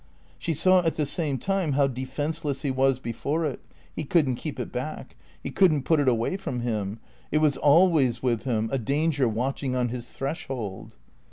She saw at the same time how defenceless he was before it; he couldn't keep it back; he couldn't put it away from him. It was always with him, a danger watching on his threshold.